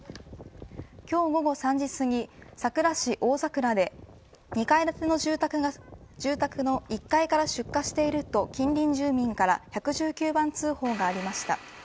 今日午後３時すぎ佐倉市大佐倉で２階建ての住宅の１階から出火していると近隣住民から１１９番通報がありました。